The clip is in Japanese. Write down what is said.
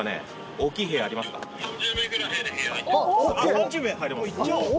３０名入れます。